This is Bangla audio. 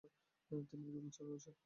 তিনি রোমে চলে আসেন।